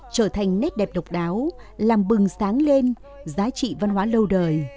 trở thành nét đẹp độc đáo làm bừng sáng lên giá trị văn hóa lâu đời